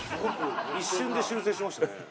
一瞬で修正しましたね。